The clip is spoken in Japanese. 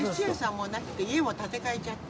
もうなくて家も建て替えちゃって。